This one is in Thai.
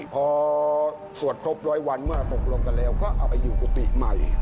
พอสวดครบร้อยวันเมื่อตกลงกันแล้วก็เอาไปอยู่กุฏิใหม่